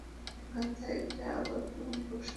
গাধা, এটা আবার কেমন প্রশ্ন?